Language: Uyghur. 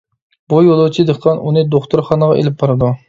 بۇ يولۇچى دېھقان ئۇنى دوختۇرخانىغا ئېلىپ بارىدۇ.